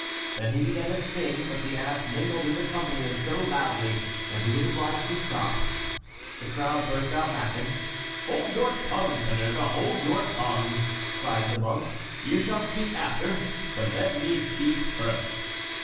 Then he began to sing, but the ass mingled his accompaniment so loudly that he was obliged to stop. The crowd burst out laughing. "Hold your tongue, Panurge, hold your tongue," cried the monk, "you shall speak after, but let me speak first."